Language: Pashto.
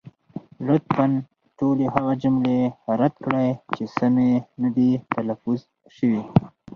لطفا ټولې هغه جملې رد کړئ، چې سمې نه دي تلفظ شوې.